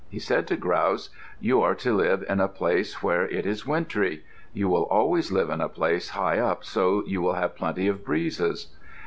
He said to Grouse, "You are to live in a place where it is wintry. You will always live in a place high up so you will have plenty of breezes."